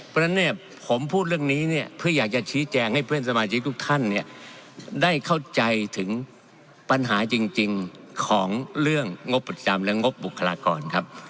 เพราะฉะนั้นเนี่ยผมพูดเรื่องนี้เนี่ยเพื่ออยากจะชี้แจงให้เพื่อนสมาชิกทุกท่านเนี่ยได้เข้าใจถึงปัญหาจริงของเรื่องงบประจำและงบบุคลากรครับ